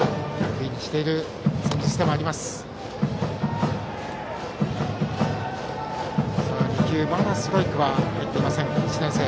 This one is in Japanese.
２球、まだストライクは入っていません１年生。